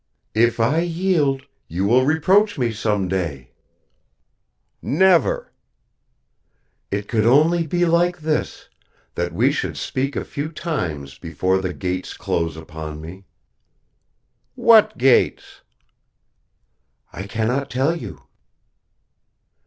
"If I yield, you will reproach me some day." "Never." "It could only be like this that we should speak a few times before the gates close upon me." "What gates?" "I cannot tell you."